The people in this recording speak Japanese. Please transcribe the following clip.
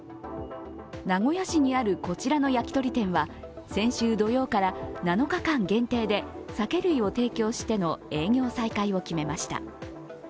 名古屋市にあるこちらの焼き鳥店は先週土曜から７日間限定で酒類を提供しての営業再開を決めました。